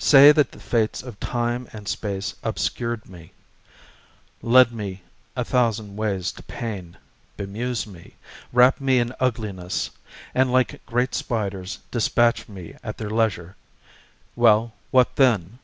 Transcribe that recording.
Say that the fates of time and space obscured me, Led me a thousand ways to pain, bemused me, Wrapped me in ugliness; and like great spiders Dispatched me at their leisure.... Well, what then?